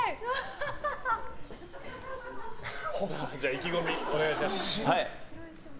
意気込みをお願いします。